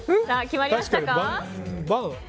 決まりましたか？